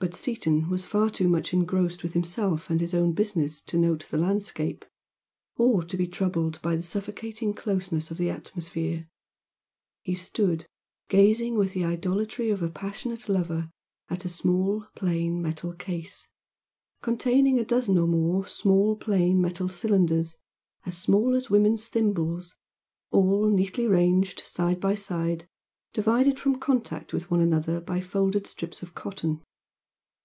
But Seaton was far too much engrossed with himself and his own business to note the landscape, or to be troubled by the suffocating closeness of the atmosphere, he stood gazing with the idolatry of a passionate lover at a small, plain metal case, containing a dozen or more small plain metal cylinders, as small as women's thimbles, all neatly ranged side by side, divided from contact with one another by folded strips of cotton.